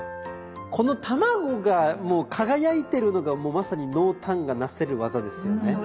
この卵がもう輝いてるのがもうまさに濃淡がなせる業ですよね。